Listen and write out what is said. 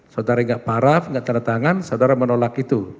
saudara gak paraf gak tanda tangan saudara menolak itu